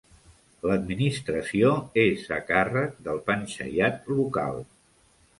L'administració és a càrrec del panchayat local.